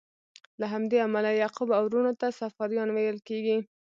له همدې امله یعقوب او وروڼو ته صفاریان ویل کیږي.